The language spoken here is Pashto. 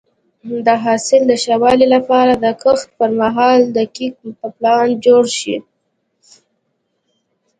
د حاصل د ښه والي لپاره د کښت پر مهال دقیق پلان جوړ شي.